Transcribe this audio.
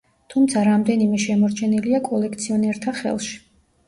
თუმცა რამდენიმე შემორჩენილია კოლექციონერთა ხელში.